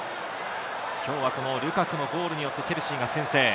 今日はルカクのゴールによってチェルシーが先制。